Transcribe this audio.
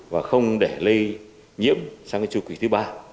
và không để lây nhiễm sang cái chủ quỷ thứ ba